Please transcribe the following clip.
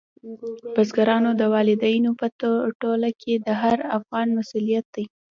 بزګرانو، والدینو په ټوله کې د هر افغان مسؤلیت دی.